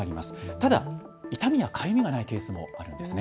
ただ痛みやかゆみがないケースもあるんです。